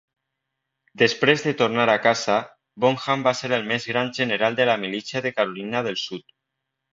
Després de tornar a casa, Bonham va ser el més gran general de la milícia de Carolina del Sud.